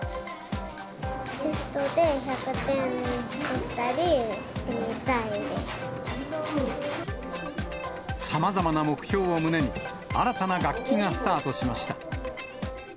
テストで１００点取ったりしさまざまな目標を胸に、新たな学期がスタートしました。